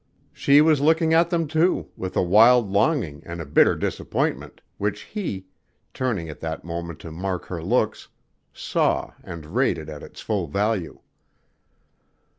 She was looking at them, too, with a wild longing and a bitter disappointment, which he, turning at that moment to mark her looks, saw and rated at its full value.